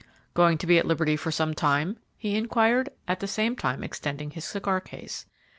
"Going to be at liberty for some time?" he inquired, at the same time extending his cigar case.